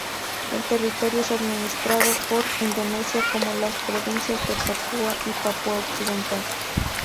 El territorio es administrado por Indonesia como las provincias de Papúa y Papúa Occidental.